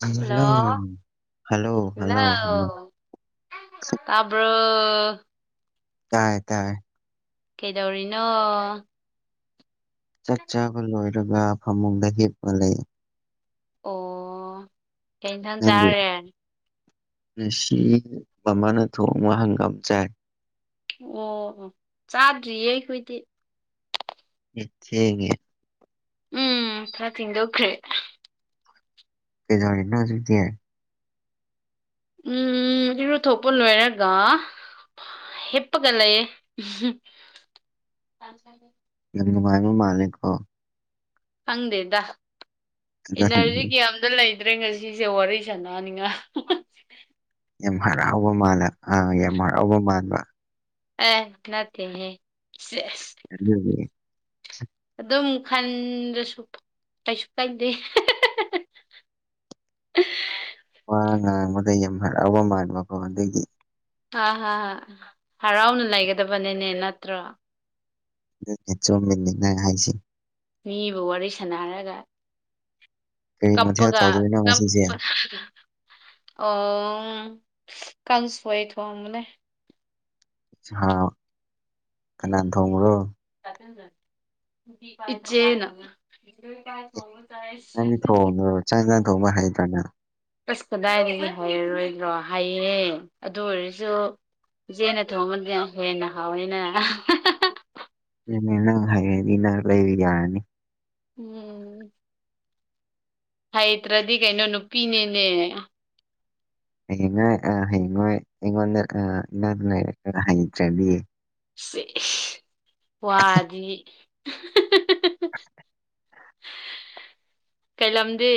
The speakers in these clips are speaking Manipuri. ꯍꯜꯂꯣ ꯍ ꯍꯜꯂꯣ ꯂ ꯍꯜꯂꯣ ꯍꯜꯂꯣ ꯇꯥꯕ꯭ꯔꯣ ꯇꯥꯏꯌꯦ ꯇꯥꯏꯌꯦ ꯀꯩꯗꯧꯔꯤꯅꯣ ꯆꯠ ꯆꯆꯥ ꯂꫭꯏ ꯑꯗꯨꯒꯒ ꯐꯃꯨꯡꯗ ꯍꯤꯞꯄ ꯂꯩ ꯑꯣ ꯍꯩ ꯏꯟꯊꯪ ꯅꯪꯗꯤ ꯆꯥꯔꯦꯅꯦ ꯉꯁꯤ ꯃꯃꯥꯅ ꯊꯣꯡꯉ ꯍꯪꯒꯥꯝ ꯆꯥꯏ ꯑꯣ ꯑꯣ ꯆꯥꯗ꯭ꯔꯤꯌꯦꯈꯣꯏꯗꯤ ꯆꯉ ꯎꯝ ꯈꯔ ꯊꯤꯟꯣꯈ꯭ꯔꯦ ꯀꯩꯗꯧꯔꯤꯅꫭ ꯍꯧꯖꯤꯛꯇꯤ ꯎꯝ ꯏꯔꯨ ꯊꯣꯛꯄ ꯂꯣꯏꯔꯒ ꯍꯦꯞꯄꯒ ꯂꯩꯌꯦ ꯎ ꯇꯥꯡ ꯐꯔꯦ ꯌꯥꯝ ꯅꯨꯡꯉꯥꯏꯕ ꯃꯥꯜꯂꯦꯀꯣ ꯈꯪꯗꯦꯗ ꯏꯅꯔꯖꯤ ꯀꯌꯥ ꯗ ꯂꯩꯇ꯭ꯔꯦ ꯉꯁꯤꯁꯦ ꯋꯥꯔꯤ ꯁꯅꯅꯤꯉꯥꯏ ꯌꯥꯝ ꯍꯔꯥꯎꯕ ꯃꯥꯜꯂ ꯑ ꯌꯥꯝ ꯍꯔꯥꯎꯕ ꯃꯥꯥꯟꯕ ꯑꯦ ꯅꯠꯇꯦꯍ ꯎꯝ ꯑꯗꯨꯝ ꯈꯟꯗ꯭ꯔꯁꯨ ꯀꯩꯁꯨ ꯀꯥꯏꯗꯦ ꯑ ꯋꯥ ꯉꯥꯡꯕꯗ ꯌꯥꯝ ꯍꯔꯛꯑꯕ ꯃꯥꯟꯕꯀꯣ ꯑꯗꯨꯗꯒꯤ ꯍꯥ ꯍꯥ ꯍꯥ ꯍꯔꯥꯎꯅ ꯂꯩꯒꯗꯕꯅꯤꯅꯦ ꯅꯠꯇ꯭ꯔꯣ ꯆꯣꯡꯃꯤꯅꯤ ꯅꯪ ꯍꯥꯏꯁꯤ ꯃꯤꯕꯨ ꯋꯥꯔꯤ ꯁꯥꯟꯅꯔꯒ ꯀꯔꯤ ꯃꯊꯦꯜ ꯀꯞꯄꯒ ꯇꯧꯗꯣꯏꯅꯣ ꯀꯞ ꯉꯁꯤꯁꯦ ꯑꫭ ꯀꯥꯟꯁꫭꯏ ꯊꫭꯡꯕꯅꯦ ꯁꯥ ꯀꯅꯥꯟ ꯊꯣꯡꯕ꯭ꯔꯣ ꯄꯤꯆꯦꯅ ꯍꯉ ꯇꯥꯏ ꯅꯪꯗꯤ ꯊꯣꯡꯕ ꯆꯥꯛ ꯆꯥꯟ ꯊꯣꯡꯕ ꯍꯥꯏꯗ꯭ꯔꯅ ꯑꯁ ꯀꯗꯥꯏꯗꯒꯤ ꯍꯥꯏꯔꯔꯣꯏꯗ꯭ꯔꯣ ꯍꯥꯏꯌꯦ ꯑꯗꯨ ꯑꯣꯏꯔꯁꯨ ꯆꯦꯅ ꯊꯣꯡꯕꯗꯤ ꯌꯥꯝ ꯍꯦꯟꯅ ꯍꯥꯎꯅꯤꯅ ꯅꯪ ꯍꯩꯔ꯭ꯗꯤ ꯅꯪ ꯂꯩꯕ ꯌꯥꯔꯅꯤ꯫ ꯎꯝ ꯍꯩꯇ꯭ꯔꯗꯤ ꯀꯩꯅꯣ ꯅꯨꯄꯤꯅꯤꯅꯦ ꯍ ꯑ ꯍꯉ ꯌꯦꯉ ꯍꯩ ꯆꯦ ꯁꯦ ꯋꯥꯗꯤ [unintelligible] ꯀꯩꯂꯝꯗꯤ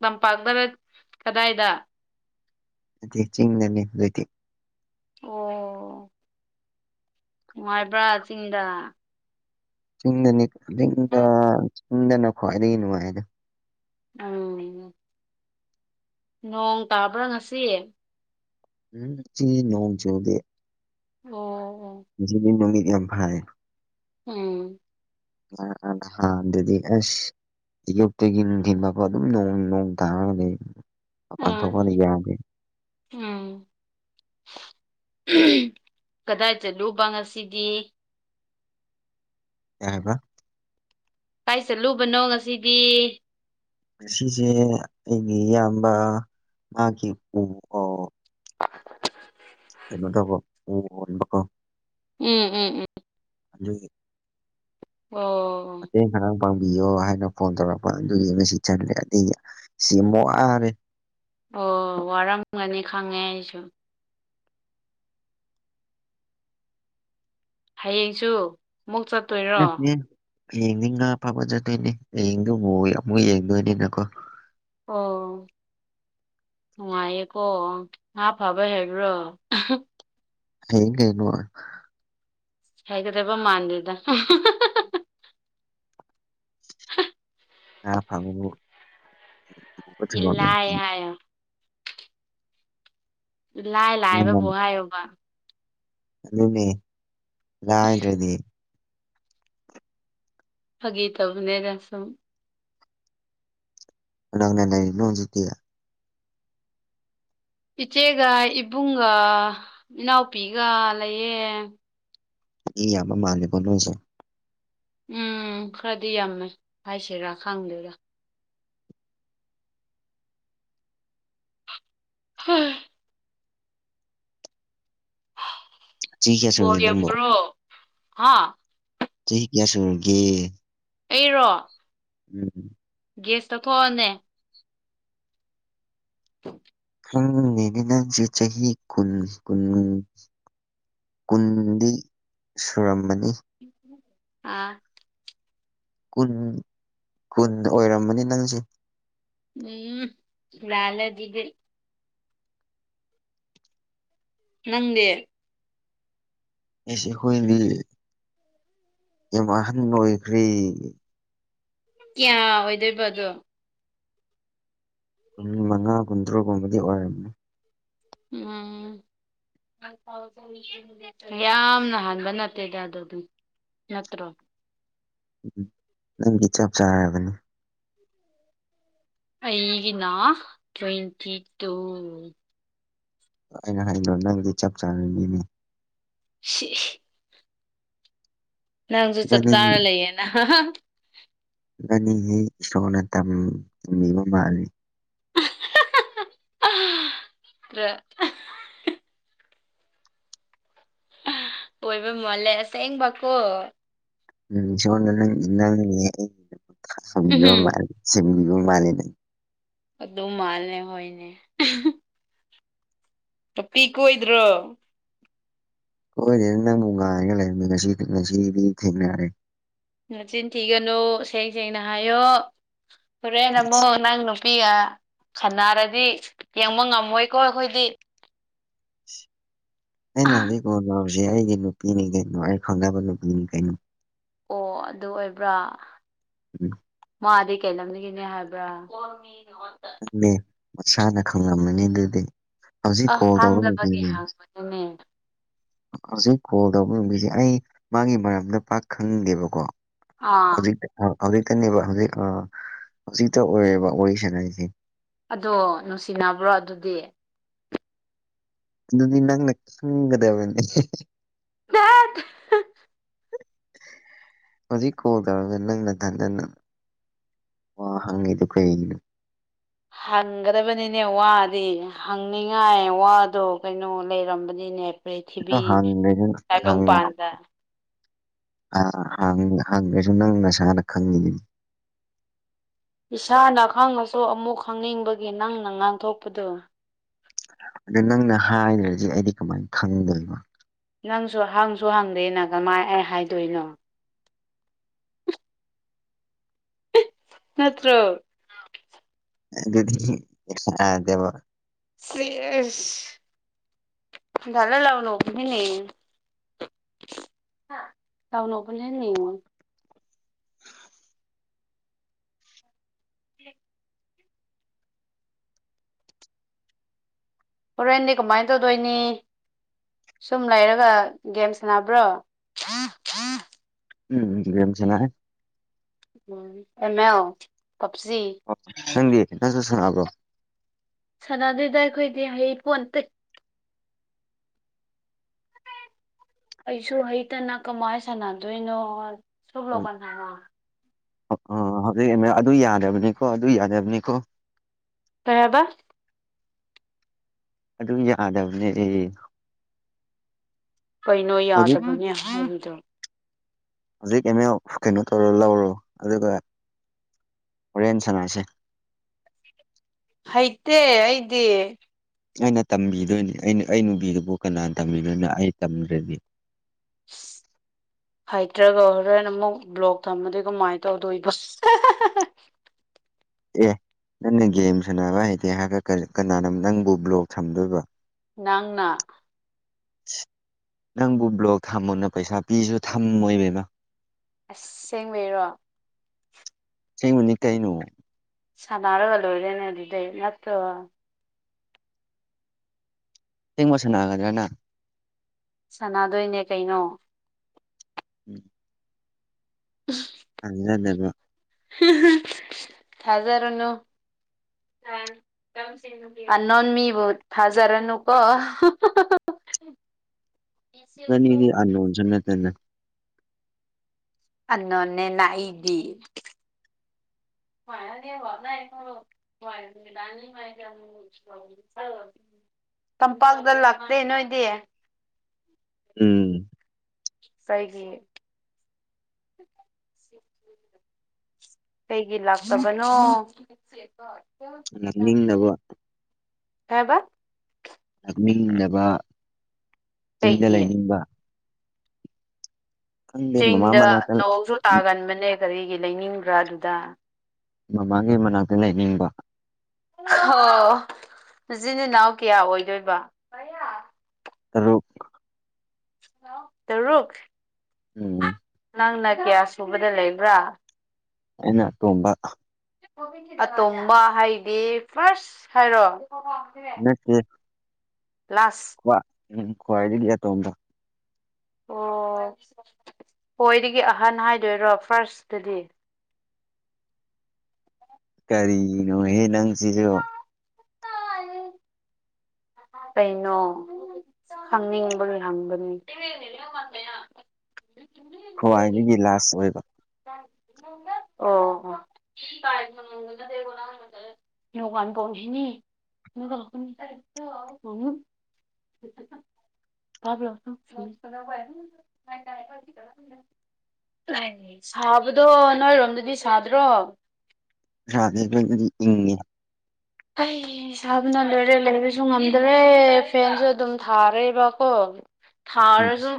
ꯇꯄꯥꯛꯇ ꯀꯗꯥꯏꯗ ꯑꯗꯨꯗꯤ ꯆꯤꯡꯗꯅꯤ ꯍꯧꯖꯤꯛꯇꯤ ꯑꯣ ꯅꯨꯡꯉꯥꯏꯕ꯭ꯔꯥ ꯆꯤꯡꯗ ꯆꯤꯡꯗꯅꯤꯗ ꯆꯤꯡꯗꯅ ꯈ꯭ꯋꯥꯏꯗꯒꯤ ꯅꯨꯡꯉꯥꯏꯗ ꯎꯝ ꯅꯣꯡ ꯇꯥꯕ꯭ꯔꯥ ꯉꯁꯤ ꯎꯝ ꯆꯤ ꯅꯣꯡ ꯆꯗꯦ ꯑꯣ ꯑꯣ ꯉꯁꯤꯗꯤ ꯅꯅꯨꯡꯃꯤ ꯌꯥꯝꯅ ꯐꯥꯏ ꯎꯝ ꯑꯤꯗꯤ ꯑꯁ ꯑꯌꯨꯛꯇꯒꯤ ꯅꯨꯡꯊꯤꯟ ꯃ ꯑꯗꯨꯝ ꯅꯣꯡ ꯅꯣꯡ ꯇꯥꯔꯒꯗꯤ ꯃꯄꯥꯟ ꯊꯣꯛꯄꯅ ꯎꯝ ꯎꯝ ꯌꯥꯅꯤꯦ ꯎꯝ ꯀꯗꯥꯏ ꯆꯠꯂꯨꯕ ꯉꯁꯤꯗꯤ ꯀꯧꯍꯕ ꯀꯥꯏ ꯆꯠꯂꯨꯕꯅꯣ ꯉꯁꯤꯗꯤ ꯉꯁꯦ ꯑꯩꯒꯤ ꯏꯌꯥꯝꯕ ꯃꯥꯒꯤ ꯎ ꯀꯩꯅꯣ ꯇꯧꯕꯣ ꯑꯣꯕꯀꯣ ꯎꯝ ꯎꯝ ꯎꯝ ꯑꯗꯨ ꯑꯣ ꯃꯇꯦꯡ ꯈꯔꯥ ꯄꯥꯡꯕꯤꯌꯣ ꯍꯥꯏꯅ ꯐꯣꯟ ꯇꯧꯔꯛꯄ ꯑꯗꯨꯒꯤ ꯉꯁꯤ ꯆꯜꯂꯦ ꯑꯩ ꯉꯁꯤ ꯌꯥꯝ ꯋꯥꯔꯦ ꯑꯣ ꯋꯥꯔꯝꯒꯅꯤ ꯈꯪꯉꯦ ꯑꯩꯁꯨ ꯍꯌꯦꯡꯁꯨ ꯑꯃꯨꯛ ꯆꯠ ꯅꯠꯇꯦ ꯍꯌꯦꯡꯅꯤꯡ ꯉ ꯐꯕ ꯆꯠꯇꯣꯏꯅꯦ ꯍꯌꯦꯡꯗꯨ ꯑꯃꯨꯛ ꯑꯃꯨꯛ ꯌꯦꯡꯗꯣꯏꯅꯤꯅꯀꯣ ꯑꯣ꯫ ꯅꯨꯡꯉꯥꯏꯌꯦꯀꯣ ꯉꯥ ꯐꯕ ꯍꯩꯕꯔꯣ꯫ ꯍꯌꯦꯡꯀꯤꯅꫭ ꯍꯦꯒꯗ꯭ꯔꯦꯕ ꯃꯥꯥꯟꯗ ꯍ ꯑ ꯐꯝꯕꯨ ꯏꯂꯥꯏ ꯍꯥꯏꯑꫭ ꯂꯥꯏ ꯂꯥꯛꯕ ꯕꯍꯥꯏꯑꫭꯕ ꯑꯗꯨꯅꯦ ꯂꯗꯤ ꯐꯥꯒꯤ ꯇꯧꯕꯅꯦꯗ ꯁꯝ ꯎꯅ ꯂꯩꯅꯣꯖꯤꯛꯇꯌꯥ ꯏꯆꯦꯒ ꯏꯕꯨꯡꯒ ꯏꯅꯥꯎꯄꯤꯒ ꯂꯩꯌꯦ ꯏ ꯌꯥꯕ ꯃꯥꯅꯤ ꯄꯅꯁ ꯎꯝ ꯈꯔꯗꯤ ꯌꯥꯝꯃꯦ ꯍꯥꯏꯁꯤꯔꯥ ꯈꯥꯡꯗꯦꯗ ꯍꯝ ꯆꯍꯤ ꯀꯌꯥ ꯁꯨꯔꯒꯦ ꯅꯪꯕꯣ ꯕ꯭ꯔꯣ ꯍꯥ ꯆꯍꯤ ꯀꯌꯥ ꯁꯨꫪꯒꯦ ꯑꯩꯔꯣ꯫ ꯎꯝ ꯒꯦꯁ ꯇꯧꯊꯑꯅꯦ [inaudible] ꯊꯝ [inaudible] ꯈꯪꯗꯦꯅꯦ ꯅꯪꯁꯦ ꯆꯍꯤ ꯀꯨꯟ ꯀꯨꯟ ꯀꯨꯟꯗꯤ ꯁꯨꯔꯝꯃꯅꯤ ꯑꯥ ꯀꯨꯟ ꯀꯨꯟ ꯑꯣꯏꯔꯝꯕꯅꯤ ꯅꯪꯁꯦ ꯎꯝ ꯂꯂꯗꯤꯒ ꯅꯪꯗꯦ ꯑꯦꯁꯦ ꯍꯣꯏꯔꯤ ꯏꯃꯍꯟ ꯂꯣꯏꯈ꯭ꯔꯦ ꯀꯌꯥ ꯑꯣꯏꯗꯣꯏꯕꯗꯣ ꯄꯨꯡ ꯃꯉꯥ ꯀꯨꯟꯇ꯭ꯔꯥꯒꯨꯝꯕꯗꯤ ꯑꯣꯏꯔꯕꯝꯅꯦ ꯎꯝ ꯌꯥꯝꯅ ꯍꯥꯟꯕ ꯅꯠꯇꯦꯗ ꯑꯗꯨꯗꯤ ꯅꯠꯇ꯭ꯔꯣ ꯎꯝ ꯅꯪꯒꯤ ꯆꯞ ꯆꯥꯔꯕꯅꯤ ꯑꯩꯒꯤꯅ ꯇ꯭ꯋꯦꯟꯇꯤ ꯇꯨ ꯑꯩꯅ ꯍꯥꯏꯗꯣ ꯅꯪꯗꯤ ꯆꯞ ꯆꯥꯅꯅꯤꯅꯦ ꯁꯤꯁ ꯅꯪꯁꯨ ꯆꯞ ꯏꯕꯥꯅꯤ ꯆꯥꯔ ꯂꯩꯌꯦꯅ ꯅꯪꯒꯤꯗꯤ ꯏꯁꯣꯔꯅ ꯇꯝ ꯕꯤ ꯃꯥꯜꯂꯤꯦ ꯇ꯭ꯔ [inaudible] ꯑꯣꯏꯕ ꯃꯥꯜꯂꯦ ꯑꯁꯦꯡꯕꯀꯣ ꯎꯝ ꯁꯣꯝꯗ ꯅꯪ ꯅꯦ ꯑꯩꯒꯤꯗꯃꯛꯇ ꯎꯝꯍꯨꯝ ꯁꯦꯝꯕꯤꯕ ꯃꯥꯜꯂꯦ ꯅꯪ ꯑꯗꯨ ꯃꯥꯜꯂꯦ ꯍꯣꯏꯅꯦ ꯅꯨꯄꯤ ꯀꯣꯏꯗ꯭ꯔꯣ ꯀꯣꯢꯗꯦꯗ ꯅꯪꯕꯨ ꯉꯥꯏꯔꯒ ꯂꯩꯕꯅꯦ ꯉꯁꯤ ꯉꯁꯤꯗꯤ ꯊꯦꯡꯅꯔꯦ ꯅꯆꯤꯟ ꯊꯤꯒꯅꯨ ꯁꯦꯡ ꯁꯦꯡꯅ ꯍꯥꯏꯌꯣ ꯍꯣꯔꯦꯟ ꯑꯃꯨꯛ ꯅꯪ ꯅꯨ ꯅꯨꯄꯤꯒ ꯈꯠꯅꯔꯗꯤ ꯌꯦꯡꯕ ꯉꯝꯃꯣꯏꯀꯣ ꯑꯩꯈꯣꯏꯗꯤ [inaudible] ꯑꯩꯅ ꯍꯧꯖꯤꯛ ꯑꯣ ꯀꯣꯜ ꯇꯧꯔꯤꯁꯤ ꯑꯩꯒꯤ ꯅꯨꯄꯤꯅꯤ ꯀꯩꯅꯣ ꯑꯩ ꯈꯪꯅꯕ ꯅꯨꯄꯤꯅꯤ ꯀꯩꯅꯣ ꯑꯣ ꯑꯗꯨ ꯑꯣꯏꯕ꯭ꯔꯥ ꯎꯝ ꯃꯥꯗꯤ ꯀꯩ ꯂꯝꯗꯒꯤꯅꯦ ꯍꯥꯏꯕ꯭ꯔꯥ ꯃꯦ ꯃꯁꯥꯅ ꯈꯪꯂꯝꯃꯅꯤ ꯑꯗꯨꯗꯤ ꯍꯧꯖꯤꯛ ꯀꯣꯜ ꯇꯧꯕ ꯅꯨꯄꯤꯅꯦ ꯈꯪꯉꯦ ꯍꯧꯖꯤꯛ ꯀꯣꯜ ꯇꯧꯕ ꯅꯨꯄꯤꯁꯦ ꯑꯩ ꯃꯥꯒꯤ ꯃꯔꯝꯗ ꯄꯥꯛ ꯈꯪꯗꯦꯕꯀꯣ ꯑꯥ ꯍꯧꯖꯤ ꯍꯧꯖꯤꯛꯇꯅꯦꯕ ꯍꯧꯖꯤꯛ ꯍꯧꯖꯤꯛꯇ ꯑꯣꯏꯑꯦꯕ ꯋꯥꯔꯤ ꯁꯥꯟꯅꯩꯖꯤ ꯑꯗꯣ ꯅꯨꯡꯁꯤꯅꯕ꯭ꯔꯣ ꯑꯗꯨꯗꯤ ꯑꯗꯨꯗꯤ ꯅꯪꯅ ꯈꯪꯒꯗꯕꯅꯤ ꯆꯠꯂꯍꯩ ꯍꯧꯖꯤꯛ ꯀꯣꯟ ꯇꯧꯔꯒ ꯅꯪ ꯑꯣ ꯍꯪꯉꯤꯗꯨ ꯀꯩꯅꯣ ꯍꯪꯒꯗꯕꯅꯤꯅꯦ ꯋꯥꯗꯤ ꯍꯪꯅꯤꯡꯉꯥꯏ ꯋꯥꯗꯣ ꯀꯩꯅꯣ ꯂꯩꯔꯝꯕꯅꯤꯅꯦ ꯄ꯭ꯔꯤꯊꯤꯕꯤ ꯍꯪ ꯇꯥꯏꯕꯪꯄꯥꯟꯗ [unintelligible] ꯑ ꯍꯥꯡꯉꯦ ꯍꯥꯡꯉꯦꯁꯨ ꯅꯪ ꯅꯁꯥꯅ ꯈꯪꯉꯤꯅꯤ ꯏꯁꯥꯅ ꯈꯪꯉꯁꯨ ꯑꯃꯨꯛ ꯈꯪꯅꯤꯡꯕꯒꯤ ꯅꯪꯅ ꯉꯥꯡꯊꯣꯛꯄꯗꯣ ꯑꯗꯨ ꯅꯪꯅ ꯍꯥꯏꯗ꯭ꯔꯗꯤ ꯑꯩꯗꯤ ꯀꯃꯥꯏꯅ ꯈꯪꯗꯣꯏꯅꯣ ꯅꯪꯁꯨ ꯍꯪꯁꯨ ꯍꯪꯗꯦꯅ ꯀꯃꯥꯏ ꯑꯩ ꯍꯥꯏꯗꯣꯏꯅꯣ ꯅꯠꯇ꯭ꯔꯣ ꯑꯗꯨꯗꯤ ꯌꯥꯗꯦꯕꯣ ꯁꯦꯁ [unintelligible] [unintelligible] [unintelligible] ꯍꯣꯔꯦꯟꯗꯤ ꯀꯃꯥꯏꯅ ꯇꯧꯗꯣꯏꯅꯤ ꯁꯨꯝ ꯂꯩꯔꯒ ꯒꯦꯝ ꯁꯥꯟꯅꯕ꯭ꯔꯣ ꯎꯝ ꯒꯦꯝ ꯁꯥꯟꯅꯩ ꯎꯝ ꯑꯦꯜ ꯄꯥꯞꯖꯤ ꯑꯣ ꯅꯪꯗꯤ ꯅꯪꯁꯨ ꯁꯥꯟꯅꯕ꯭ꯔꯣ ꯁꯥꯟꯅꯗꯦꯗ ꯑꯩꯈꯣꯏꯗꯤ ꯍꯩ ꯄꯣꯟꯇꯦ ꯍꯩꯁꯨ ꯍꯩꯇꯅ ꯀꯃꯥꯏ ꯁꯥꯟꯅꯗꯣꯏꯅꯣ ꯁꯣꯂꯣꯛꯀꯟꯅꯥ ꯑꯣ ꯑꯕꯦꯝꯃ ꯑꯗꯨ ꯌꯥꯗꯕꯅꯤꯀꯣ ꯑꯗꯨ ꯌꯥꯗꯕꯅꯤꯀꯣ ꯀꯩ ꯍꯥꯢꯕ ꯑꯗꯨ ꯌꯥꯗꯕꯅꯦ ꯀꯩꯅꯣ ꯍꯧꯖꯤꯛ ꯌꯥꯗꯕꯅꯦ ꯍꯥꯏꯕꯗꯣ ꯍꯧꯖꯤꯛ ꯑꯦꯝꯑꯦꯜ ꯀꯩꯅꯣ ꯇꯧꯔ ꯂꯧꯔꯣ ꯑꯗꯨꯒ ꯍꯣꯔꯦꯟ ꯁꯥꯟꯅꯔꯁꯦ ꯍꯩꯇꯦ ꯑꯩꯗꯤ ꯑꯩꯅ ꯇꯝꯕꯤꯗꯣꯏꯅꯤ ꯑꯩꯅ ꯑꯩ ꯅꯨꯄꯤꯗꯨꯕꯨ ꯀꯅꯥ ꯇꯝꯕꯤꯗꯣꯏꯅꯣ ꯑꯩ ꯇꯝꯗ꯭ꯔꯗꯤ ꯍꯩꯇ꯭ꯔꯒ ꯍꯣꯔꯦꯟ ꯑꯃꯨꯛ ꯕ꯭ꯂꯣꯛ ꯊꯝꯃꯗꯤ ꯀꯃꯥꯏꯅ ꯇꯧꯗꯣꯏꯕꯥ ꯑꯦ ꯅꯪꯅ ꯒꯦꯝ ꯁꯥꯟꯅꯕ ꯍꯩꯇꯦ ꯍꯥꯏꯔ ꯀꯅꯥꯅꯣ ꯅꯪꯕꯨ ꯕ꯭ꯂꯣꯛ ꯊꯝꯗꯣꯏꯕ ꯅꯪꯅ ꯅꯪꯕꯨ ꯕ꯭ꯂꯣꯛ ꯊꯝꯃꯣꯅ ꯄꯩꯁꯥ ꯄꯤꯁꯨ ꯊꯝꯃꯣꯏꯕꯦꯝꯃ ꯑꯁ ꯁꯦꯡꯕꯩꯔꯣ ꯑꯁꯦꯡꯕꯅꯤ ꯀꯩꯅꯣ ꯁꯥꯟꯅꯔꯒ ꯂꯣꯏꯔꯦꯅꯦ ꯑꯗꯨꯗꯤ ꯅꯠꯇ꯭ꯔꯣ ꯑꯁꯦꯡꯕ ꯁꯥꯟꯅꯒꯗ꯭ꯔ ꯅꯪ ꯁꯥꯟꯅꯗꯣꯏꯅꯦ ꯀꯩꯅꯣ ꯎꯝ [unintelligible] ꯊꯥꯖꯗꯕ [unintelligible] ꯊꯥꯖꯔꯨꯅꯨ [unintelligible] ꯑꯟꯅꯣꯟꯃꯤꯕꯨ ꯊꯥꯖꯔꯅꯨꯀꯣ ꯅꯣꯏꯅꯤꯗꯤ ꯑꯟꯂꯣꯟꯁꯨ ꯇꯠꯇꯅ ꯑꯟꯅꯣꯟꯅꯦꯅ ꯑꯩꯗꯤ [unintelligible] [unintelligible] [unintelligible] ꯇꯝꯄꯥꯛꯇ ꯂꯥꯛꯇꯦ ꯅꯣꯏꯗꯤ [inaudible] ꯎꯝ ꯀꯩꯒꯤ [inaudible] ꯀꯩꯒꯤꯂꯥꯛꯇꯕꯅꯣ ꯅꯝꯅꯤꯡꯅꯕ ꯀꯩꯍꯥꯏꯕ ꯂꯥꯛꯅꯤꯡꯗꯕ ꯆꯤꯡꯗ ꯀꯩꯒꯤ ꯂꯩꯅꯤꯡꯕ ꯈꯪꯗꯦ ꯃꯃꯥ ꯆꯤꯡꯗ ꯃꯅꯥꯛꯇ ꯅꯣꯡꯁꯨ ꯇꯥꯒꯟꯕꯅꯦ ꯀꯔꯤꯒꯤ ꯂꯩꯅꯤꯡꯕ꯭ꯔꯥ ꯑꯗꯨꯗ ꯃꯃꯥꯡ꯫ꯒꯤ ꯃꯅꯥꯛꯇ ꯂꯩꯅꯤꯡꯕ ꯑꯣ ꯅꯆꯤꯟ ꯅꯅꯥꯎ ꯀꯌꯥ ꯑꯣꯏꯗꯣꯏꯕ ꯇꯔꯨꯛ [unintelligible] ꯇꯔꯨꯛ ꯎꯝ ꯅꯪꯅ ꯀꯌꯥ ꯁꯨꯕꯗ ꯂꯩꯕ꯭ꯔꯥ ꯑꯩꯅ ꯇꯣꯝꯕ ꯑꯇꯣꯝꯕ ꯍꯥꯏꯗꯤ ꯐꯥꯔꯁ ꯍꯥꯏꯔꯣ ꯅꯠꯇꯦ ꯀ꯭ꯂꯥꯁ ꯎꯝ ꯈ꯭ꯋꯥꯏꯗꯒꯤ ꯑꯇꯣꯝꯕ ꯑꯣ ꯍꯣꯏꯗꯒꯤ ꯑꯍꯟ ꯍꯥꯏꯗꯣꯏꯔꯣ ꯐꯥꯔꯁꯇꯗꯤ ꯀꯔꯤꯒꯤꯅꯣꯍꯦ ꯅꯪ ꯁꯤꯁꯨ ꯀꯩꯅꯣ ꯍꯪꯅꯤꯡꯕꯒꯤ ꯍꯪꯕꯅꯤ [unintelligible] ꯈ꯭ꯋꯥꯏꯗꯒꯤ ꯂꯥꯁ ꯑꯣꯏꯕ [unintelligible] ꯑꯣ ꯑꯣ [unintelligible] [unintelligible] [unintelligible] ꯇꯥꯕ꯭ꯔꯣ [unintelligible] ꯁꯥꯕꯗꯣ ꯅꯣꯏꯔꯣꯝꯗꯗꯤ ꯁꯥꯗ꯭ꯔꯣ [unintelligible] ꯑꯩ ꯁꯥꯥꯕꯅ ꯂꯣꯏꯔꯦ ꯂꯩꯕꯁꯨ ꯉꯝꯗ꯭ꯔꯦ ꯐꯦꯟꯁꯨ ꯑꯗꯨꯝ ꯊꯥꯔꯦꯕꯀꯣ ꯎꯝ ꯊꯥꯔꯁꯨ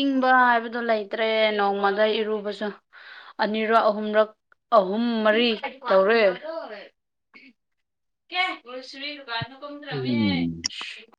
ꯏꯪꯕ ꯍꯥꯏꯕꯗꯨ ꯂꯩꯇ꯭ꯔꯦ ꯅꯣꯡꯃꯗ ꯏꯔꯨꯕꯁꯨ ꯑꯅꯤꯔꯛ ꯑꯍꯨꯝꯂꯛ ꯑꯍꯨꯝ ꯃꯔꯤ ꯇꯧꯔꯦ ꯀꯌꯥꯁꯃꯤ ꯎꯝ ꯎ